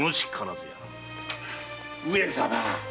上様。